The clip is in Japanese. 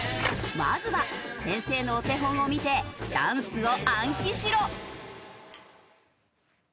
まずは先生のお手本を見てダンスを暗記しろ。